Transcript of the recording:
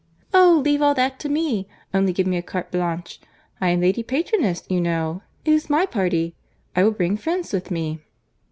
"Oh! leave all that to me. Only give me a carte blanche.—I am Lady Patroness, you know. It is my party. I will bring friends with me."